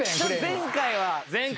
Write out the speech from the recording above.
前回は。